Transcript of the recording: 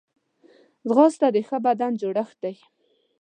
ځغاسته د ښه بدن جوړښت دی